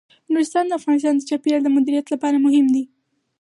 نورستان د افغانستان د چاپیریال د مدیریت لپاره مهم دي.